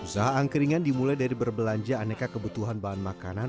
usaha angkringan dimulai dari berbelanja aneka kebutuhan bahan makanan